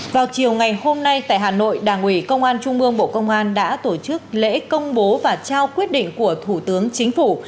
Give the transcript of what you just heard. vào chiều ngày hôm nay tại hà nội đảng ủy công an trung mương bộ công an đã tổ chức lễ công bố và trao quyết định của thủ tướng chính phủ